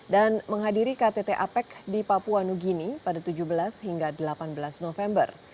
dan menghadiri ktt apec di papua nugini pada tujuh belas hingga delapan belas november